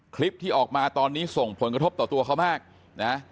คลิปที่ออกมาตอนนี้ส่งผลกระทบต่อตัวเขามากนะ